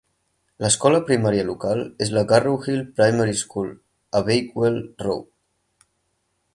L'escola primària local és la Garrowhill Primary School, a Bakewell Road.